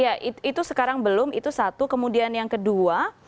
ya itu sekarang belum itu satu kemudian yang kedua